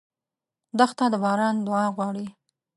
دښته د باران دعا غواړي.